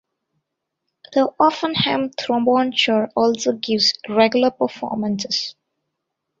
The Oppenheim Trombone Choir also gives regular performances.